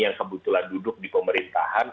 yang kebetulan duduk di pemerintahan